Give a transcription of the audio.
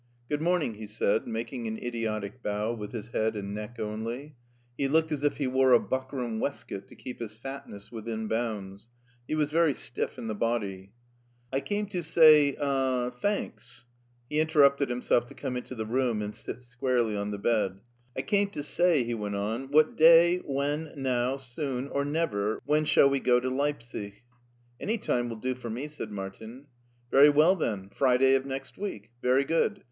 "Good morning," he said, making an idiotic bow with his head and neck only. He looked as if he wore a buckram waistcoat to keep his fatness within bounds. He was very stiff in the body. " I came to say— er — ^thanks." He interrupted him self to come into the room and sit squarely on the bed. " I came to say,'* he went on, " what day, when, now, soon, or never, when shall we go to Leipsic ?" Any time will do for me,'* said Martin. Very well, then, Friday of next week. Very good.